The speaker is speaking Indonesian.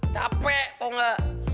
capek tau gak